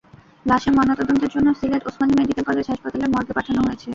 লাশের ময়নাতদন্তের জন্য সিলেট ওসমানী মেডিকেল কলেজ হাসপাতালের মর্গে পাঠানো হয়েছে।